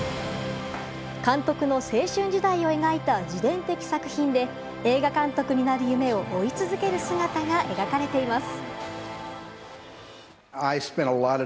監督の青春時代を描いた自伝的作品で映画監督になる夢を追い続ける姿が描かれています。